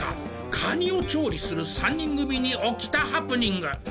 カニを調理する３人組に起きたハプニング。